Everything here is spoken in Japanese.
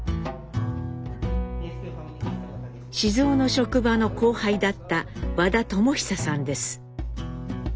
雄の職場の後輩だった和田知久さんです。